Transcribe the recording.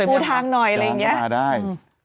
และปูทางหน่อยอะไรอย่างงี้